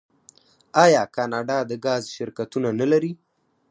آیا کاناډا د ګاز شرکتونه نلري؟